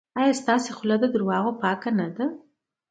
ایا ستاسو خوله له درواغو پاکه نه ده؟